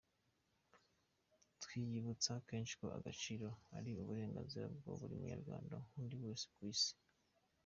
Twiyibutsa kenshi ko agaciro ari uburenganzira bwa buri Munyarwanda nk’undi wese ku Isi.